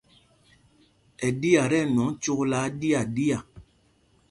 Ɛ ɗiá tí ɛnwɔŋ cúklá áɗiaɗiá.